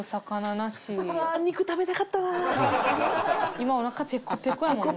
今おなかペコペコやもんな。